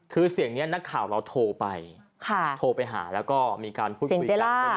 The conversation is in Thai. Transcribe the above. คือเสียงนี้นักข่าวเราโทรไปโทรไปหาแล้วก็มีการพูดคุยกัน